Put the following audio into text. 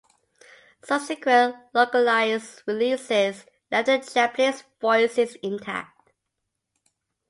Subsequent localized releases left the Japanese voices intact.